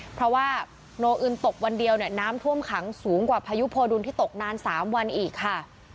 เพราะว่าโนอึนตกวันเดียวเนี่ยน้ำท่วมขังสูงกว่าพายุโพดุลที่ตกนาน๓วันอีกค่ะ